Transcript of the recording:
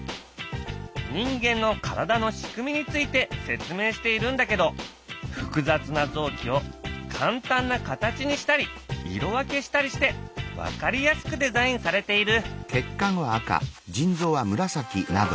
人間の体の仕組みについて説明しているんだけど複雑な臓器を簡単な形にしたり色分けしたりして分かりやすくデザインされている。